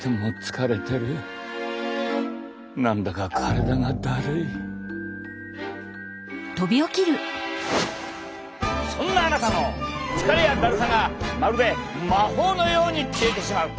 何だかそんなあなたの疲れやだるさがまるで魔法のように消えてしまう！